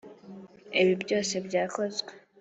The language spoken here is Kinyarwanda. Ibi byose byakozwe